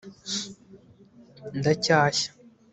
ndacyashya